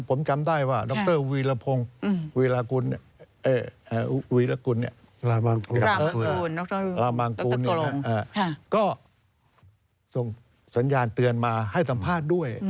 ผมจำได้ว่าดรวีรกุลก็ส่งสัญญาณเตือนมาให้สัมภาษณ์ด้วย